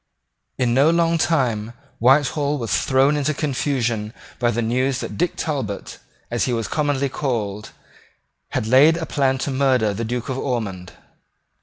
In no long time Whitehall was thrown into confusion by the news that Dick Talbot, as he was commonly called, had laid a plan to murder the Duke of Ormond.